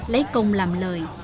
lấy công làm lời